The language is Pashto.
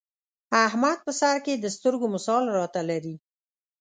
احمد په سرکې د سترګو مثال را ته لري.